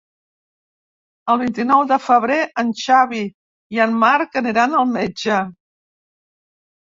El vint-i-nou de febrer en Xavi i en Marc aniran al metge.